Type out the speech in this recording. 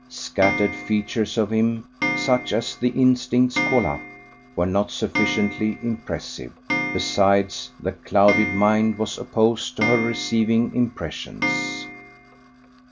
Scattered features of him, such as the instincts call up, were not sufficiently impressive. Besides, the clouded mind was opposed to her receiving impressions.